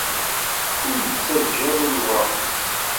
Ur ittaǧǧa ara lweṛt-is.